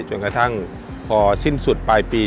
จนกระทั่งพอสิ้นสุดปลายปี